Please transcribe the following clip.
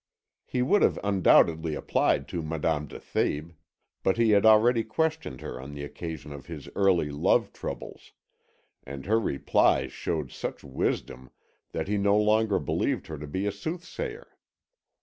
He would have undoubtedly applied to Madame de Thèbes, but he had already questioned her on the occasion of his early love troubles, and her replies showed such wisdom that he no longer believed her to be a soothsayer.